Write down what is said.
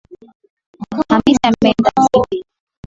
Hamisi ameenda msikitini